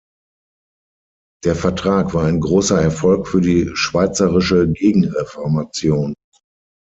Der Vertrag war ein grosser Erfolg für die schweizerische Gegenreformation.